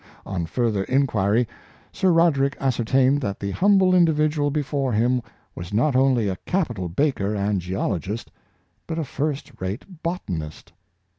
On further inquiry. Sir Roder ick ascertained that the humble individual before him was not only a capital baker and geologist, but a first rate botanist.